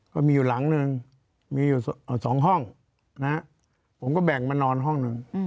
ก็มีอยู่หลังนึงมีอยู่๒ห้องผมก็แบ่งมานอนห้องหนึ่ง